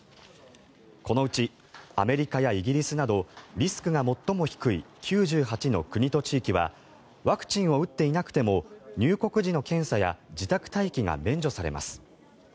このうちアメリカやイギリスなどリスクが最も低い９８の国と地域はワクチンを打っていなくても入国時の検査や自宅待機が免除されます。